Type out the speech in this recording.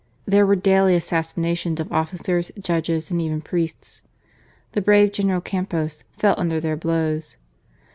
There were daily assassinations of officers, judges, and even priests. The brave General Campos fell under their blows.